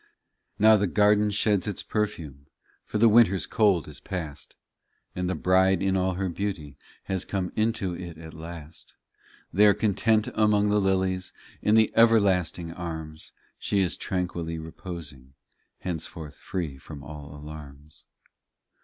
22 Now the garden sheds its perfume, For the winter s cold is past, And the bride in all her beauty Has come into it at last. There, content among the lilies, In the everlasting arms, She is tranquilly reposing, Henceforth free from all alarms.